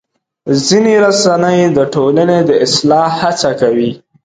ځینې رسنۍ د ټولنې د اصلاح هڅه کوي.